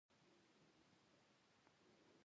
هر نوی کشف نوې پوښتنې راولي.